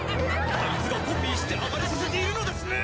あいつがコピーして暴れさせているのですね！